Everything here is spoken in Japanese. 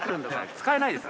使えないです！